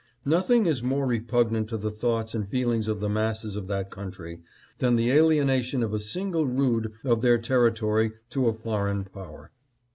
Nothing is more re pugnant to the thoughts and feelings of the masses of that country than the alienation of a single rood of their territory to a foreign power.